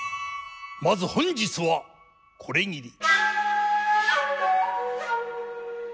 まず本日はこれぎり。